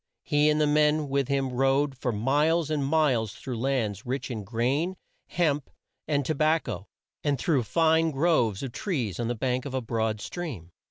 He and the men with him rode for miles and miles through lands rich in grain, hemp, and to bac co, and through fine groves of trees on the bank of a broad stream.